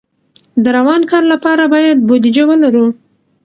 د روان کال لپاره باید بودیجه ولرو.